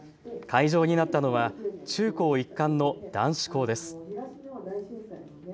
会場になったのは中高一貫の男子校です。